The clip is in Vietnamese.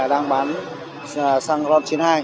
đang bán xăng ron chín mươi hai